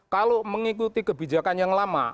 kalau mengikuti kebijakan yang lama